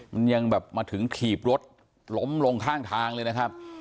มันยังแบบมาถึงถีบรถล้มลงข้างทางเลยนะครับ